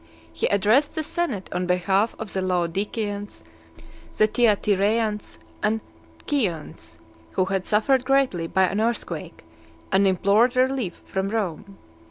He addressed the senate on behalf of the Laodiceans, the Thyatireans, and Chians, who had suffered greatly by an earthquake, and implored relief from Rome.